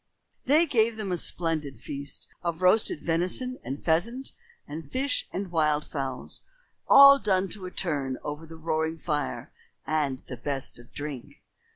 They gave them a splendid feast of roasted venison and pheasant and fish and wild fowls, all done to a turn over the roaring fire, and the best of drink.